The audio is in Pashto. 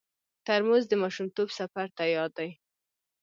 ترموز د ماشومتوب سفر ته یاد دی.